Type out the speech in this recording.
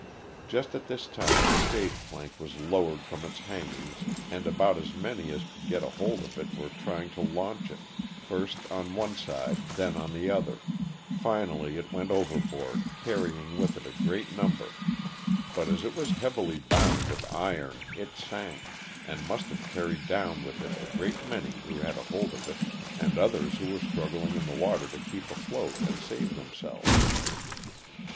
Just at this time the stage plank was lowered from its hangings and about as many as could get a hold of it were trying to launch it, first on one side then on the other, finally it went overboard carrying with it a great number, but as it was heavily bound with iron it sank, and must have carried down with it a great many who had a hold of it and others who were struggling in the water to keep afloat and save themselves.